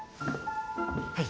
はい。